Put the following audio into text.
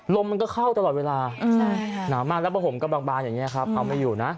ลมมันก็เข้าตลอดเวลาหนาวมากแล้วผ้าห่มก็บางอย่างนี้ครับเอาไม่อยู่นะ